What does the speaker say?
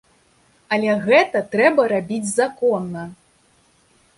Але гэта трэба рабіць законна.